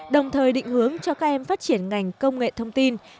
đồng thời định hướng cho các em phát triển ngành công nghệ thông tin